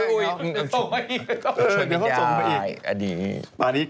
เดี๋ยวก็ส่งมาอีกไม่ชอบไปใยอันนี้